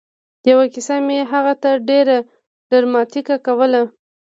یوه کیسه مې هغه ته ډېره ډراماتيکه کوله